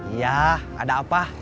iya ada apa